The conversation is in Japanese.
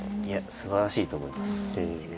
すばらしいと思います。